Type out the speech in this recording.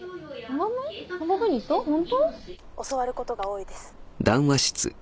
教わることが多いです。